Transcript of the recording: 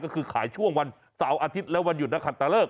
ก็คือขายช่วงวันเสาร์อาทิตย์และวันหยุดนักขัดตะเลิก